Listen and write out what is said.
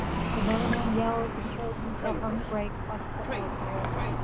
The motorman yells and throws himself on the brakes like a football player.